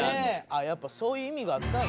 やっぱそういう意味があった。